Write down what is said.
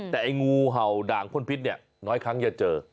แต่ไอ้งูเห่าด่างพ่นพิษเนี่ยน้อยครั้งจะเจอ